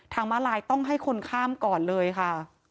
มาลายต้องให้คนข้ามก่อนเลยค่ะ